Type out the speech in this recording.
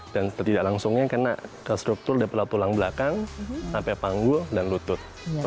dan ketidaklangsungnya kena ke struktur depan tulang belakang sampai panggul dan lutut